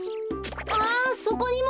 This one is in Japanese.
あそこにも！